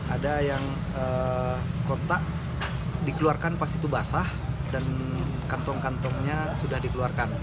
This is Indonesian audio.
ada yang kontak dikeluarkan pas itu basah dan kantong kantongnya sudah dikeluarkan